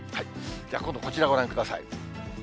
じゃあ、今度こちらをご覧ください。